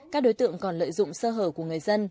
các đối tượng còn lợi dụng sơ hở của người dân